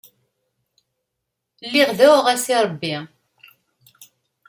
Lliɣ deɛɛuɣ-as i Ṛebbi.